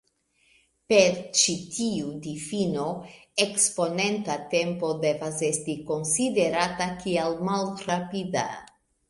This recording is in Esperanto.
Per ĉi tiu difino, eksponenta tempo devas esti konsiderata kiel malrapida.